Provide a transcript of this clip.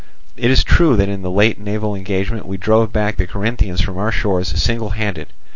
It is true that in the late naval engagement we drove back the Corinthians from our shores single handed.